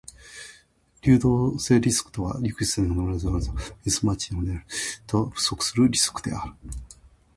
流動性リスクとは予期せぬ資金の流出や資産と負債のミスマッチ等により手元に必要な資金が不足するリスクである。